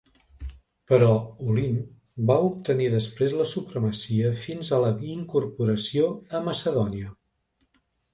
Però Olint va obtenir després la supremacia fins a la incorporació a Macedònia.